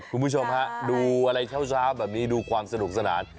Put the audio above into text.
คุณผู้ชมฮะดูอะไรเช้าแบบนี้ดูความสนุกสนาน